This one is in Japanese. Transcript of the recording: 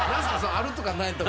あるとかないとか。